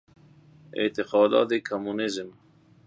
اعتقادات کمونیسم